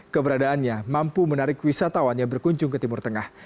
keberadaannya mampu menarik wisatawan yang berkunjung ke timur tengah